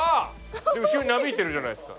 で後ろになびいてるじゃないですか。